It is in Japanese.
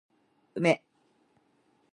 梅